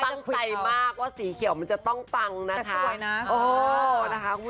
ตั้งใจมากว่าสีเขียวมันจะต้องปังนะคะ